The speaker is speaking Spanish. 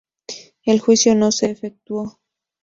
El juicio no se efectuó.